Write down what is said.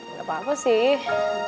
gak apa apa sih